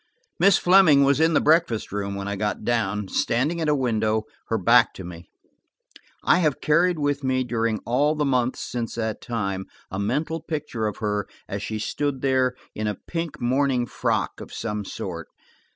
Miss Fleming was in the breakfast room when I got down, standing at a window, her back to me. I have carried with me, during all the months since that time, a mental picture of her as she stood there, in a pink morning frock of some sort.